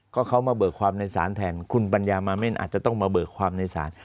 ก็เขามาเบิกความในศาลแทนคุณปัญญามาเม่นอาจจะต้องมาเบิกความในศาล